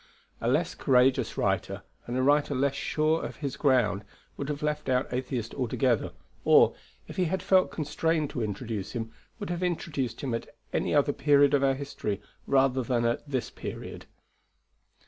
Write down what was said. A less courageous writer, and a writer less sure of his ground, would have left out Atheist altogether; or, if he had felt constrained to introduce him, would have introduced him at any other period of our history rather than at this period.